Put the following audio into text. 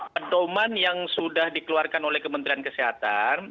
pedoman yang sudah dikeluarkan oleh kementerian kesehatan